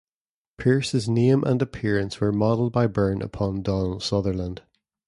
Pierce's name and appearance were modeled by Byrne upon Donald Sutherland.